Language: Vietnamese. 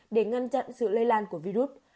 để ngăn chặn sự lây lan của virus